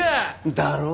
だろ？